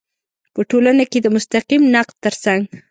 په ټولنه کې د مستقیم نقد تر څنګ